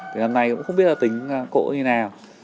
thì năm nay cũng không biết là tính cỗ như thế nào